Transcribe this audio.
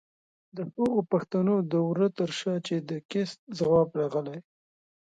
د هغو پښتنو د وره تر شا چې د کېست ځواب راغلی؛